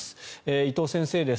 伊藤先生です。